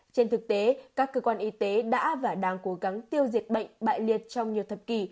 trên thực tế các cơ quan y tế đã và đang cố gắng tiêu diệt bệnh bại liệt trong nhiều thập kỷ